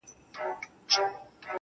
هغه به خپل زړه په ژړا وویني.